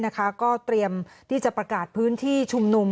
ก็เตรียมที่จะประกาศพื้นที่ชุมนุม